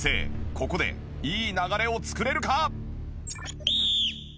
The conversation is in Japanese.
ここでいい流れを作れるか？